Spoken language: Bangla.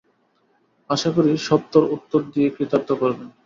আশা করি, সত্বর উত্তর দিয়ে কৃতার্থ করবেন।